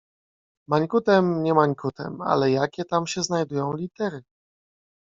Mańkutem nie mańkutem, ale jakie tam się znajdują litery?